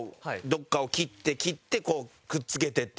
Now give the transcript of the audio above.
どっかを切って切ってこうくっつけてっていう。